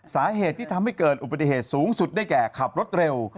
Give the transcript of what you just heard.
สาเหตุที่ทำให้เกิดอุบัติเหตุสูงสุดได้แก่ขับรถเร็ว